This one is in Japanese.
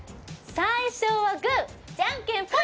最初はグーじゃんけんぽい！